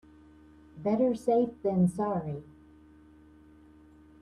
Better safe than sorry.